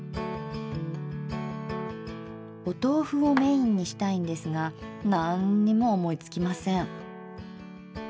お豆腐をメインにしたいんですがなんっにも思いつきません。